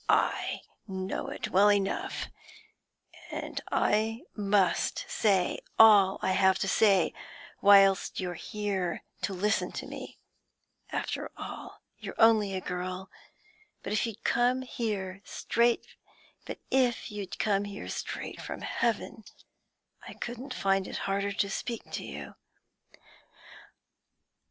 I know it well enough, and I must say all I have to say, whilst you're here to listen to me. After all, you're only a girl; but if you'd come here straight from heaven, I couldn't find it harder to speak to you.'